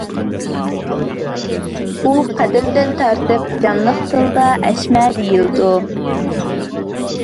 ئۇ قەدىمدىن تارتىپ جانلىق تىلىدا «ئەشمە» دېيىلىدۇ.